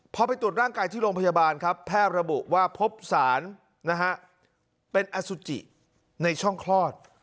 พอไปตรวจร่างกายที่โรงพยาบาลครับแพทย์ระบุว่าพบสารนะฮะเป็นอสุจิในช่องคลอด